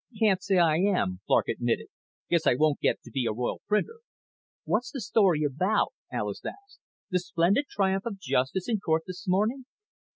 "Can't say I am," Clark admitted. "Guess I won't get to be a royal printer." "What's the story about?" Alis asked. "The splendid triumph of justice in court this morning?"